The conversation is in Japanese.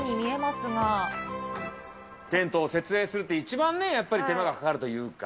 テントを設営するって、一番やっぱり手間がかかるというか。